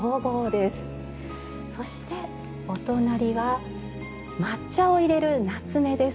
そしてお隣は抹茶を入れる棗です。